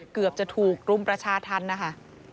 เกือบจะถูกรุมประชาธรรมนะคะ